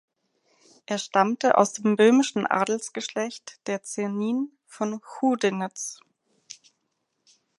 Er stammte aus dem böhmischen Adelsgeschlecht der Czernin von Chudenitz.